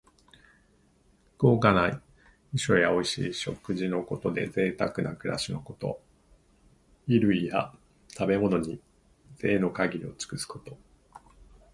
豪華な衣装やおいしい食事のことで、ぜいたくな暮らしのこと。衣類や食べ物に、ぜいの限りを尽くすこと。